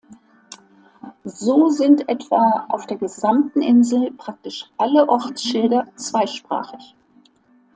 So sind etwa auf der gesamten Insel praktisch alle Ortsschilder zweisprachig.